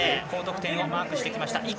高得点をマークしてきました。